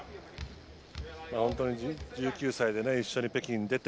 本当に１９歳で一緒に北京に出て